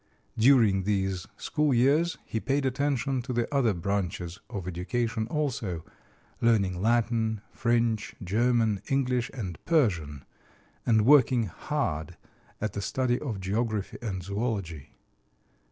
During these school years he paid attention to the other branches of education also, learning Latin, French, German, English and Persian, and working hard at the study of geography and zoölogy.